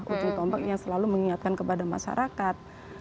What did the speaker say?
ujung tombak yang selalu mengingatkan kepada masyarakat